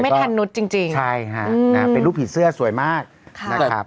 ไม่ทันนุ๊ดจริงใช่ฮะเป็นรูปผีเสื้อสวยมากนะครับ